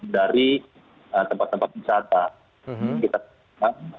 dari tempat tempat kata